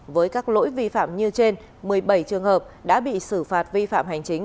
với các lỗi vi phạm như trên một mươi bảy trường hợp đã bị xử phạt vi phạm hành chính